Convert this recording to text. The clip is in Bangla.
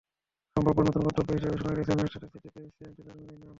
সম্ভাব্য নতুন গন্তব্য হিসেবে শোনা গেছে ম্যানচেস্টার সিটি, প্যারিস সেইন্ট জার্মেইয়ের নাম।